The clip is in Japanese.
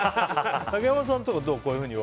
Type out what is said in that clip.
竹山さんとかどう？